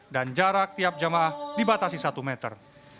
dan jarak tiap jemaah dibatasi satu meter